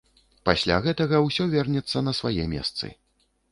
Пасля гэтага ўсё вернецца на свае месцы.